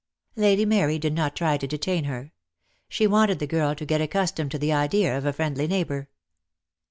Lady Mary did not try to detain her. She wanted the girl to get accustomed to the idea of a friendly neighbour.